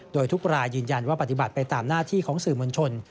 โดยทุกรายยืนยันว่าปฏิบัติไปตามหน้าที่ของสื่อมวลชน